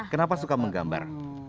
kenapa suka menggambar